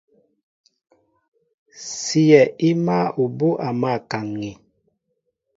Síyɛ í máál ubú' a mǎl kaŋ̀ŋi.